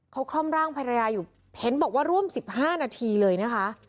เขาคล่อมร่างภรรยาอยู่เห็นบอกว่าร่วม๑๕นาทีเลยนะคะ